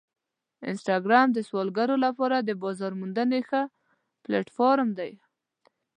انسټاګرام د سوداګرو لپاره د بازار موندنې ښه پلیټفارم دی.